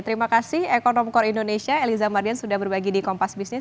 terima kasih ekonom core indonesia eliza mardian sudah berbagi di kompas bisnis